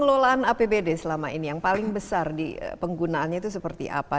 pengelolaan apbd selama ini yang paling besar di penggunaannya itu seperti apa